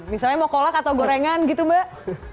misalnya mau kolak atau gorengan gitu mbak